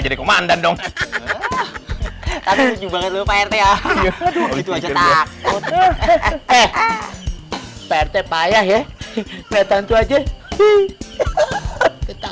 jadi komandan dong tapi juga lu pak rt ya itu aja takut eh pak rt payah ya lihat hantu aja